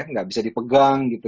nggak bisa dipegang gitu